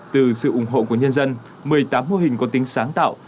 từ sự ủng hộ của nhân dân một mươi tám mô hình có tính sáng tạo